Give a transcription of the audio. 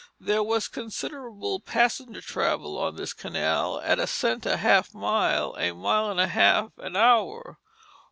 There was considerable passenger travel on this canal at "a cent and a half a mile, a mile and a half an hour."